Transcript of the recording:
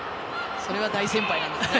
それは大先輩なんですね。